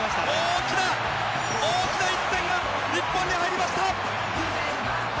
大きな大きな１点が日本に入りました！